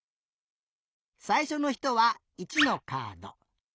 さいしょのひとは１のカード。